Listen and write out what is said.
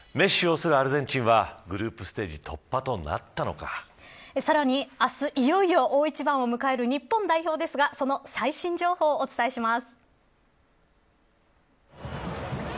メッシを擁するアルゼンチンはグループステージさらに明日、いよいよ大一番を迎える日本代表ですがその最新情報をお伝えします。